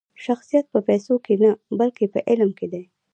شخصیت په پیسو کښي نه؛ بلکي په علم کښي دئ.